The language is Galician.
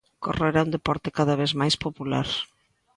Correr é un deporte cada vez máis popular.